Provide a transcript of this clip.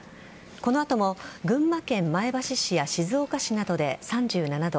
この後も群馬県前橋市や静岡市などで３７度。